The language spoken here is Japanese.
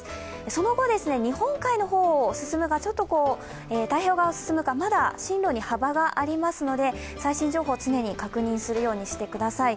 その後、日本海の方を進むか太平洋側を進むか、まだ進路に幅がありますので最新情報を常に確認するようにしてください。